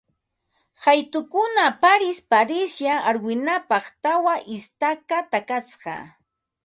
Qaytukuna parisparislla arwinapaq tawa istaka takasqa